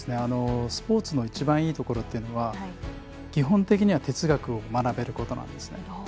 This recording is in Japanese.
スポーツの一番いいところというのは基本的には哲学を学べることなんですね。